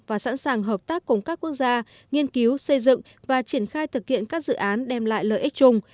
và sẵn sàng hợp tác cùng các quốc gia nghiên cứu xây dựng và triển khai thực hiện các dự án đem lại lợi ích chung